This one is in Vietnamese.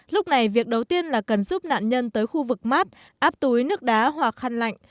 lúc này việc đầu tiên là cần giúp nạn nhân tới khu vực mát áp túi nước đá hoặc khăn lạnh